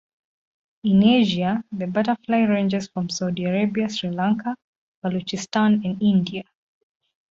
In Asia, the butterfly ranges from Saudi Arabia, Sri Lanka, Baluchistan and India.